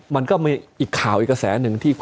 มันก็มีอีกข่าวอีกกระแสหนึ่งที่